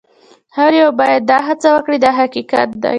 هر یو باید دا هڅه وکړي دا حقیقت دی.